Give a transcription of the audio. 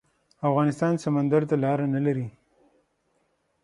افغانستان سمندر ته لاره نلري